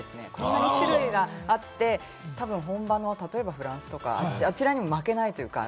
こんなに種類があって、本場の、例えばフランスとか、あちらにも負けないというか。